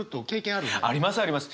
ありますあります！